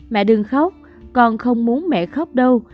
mẹ đừng khóc con không muốn mẹ khóc đâu